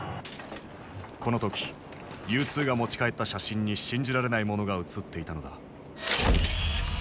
この時Ｕー２が持ち帰った写真に信じられないものが写っていたのだ。